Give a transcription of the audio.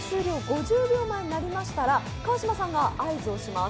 ５０秒前になりましたら川島さんが合図をします。